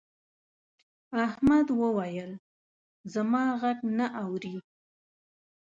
احمد وويل: زما غږ نه اوري.